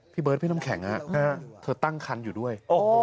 พี่เบิร์ดพี่น้ำแข็งเธอตั้งคันอยู่ด้วย